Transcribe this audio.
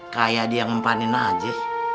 kayak dia ngempanin aja